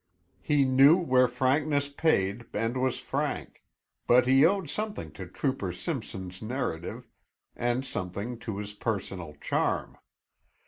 He knew where frankness paid and was frank, but he owed something to trooper Simpson's narrative and something to his personal charm.